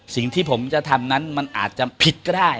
สิ่งที่ผมจะทำนั้นมันอาจจะผิดก็ได้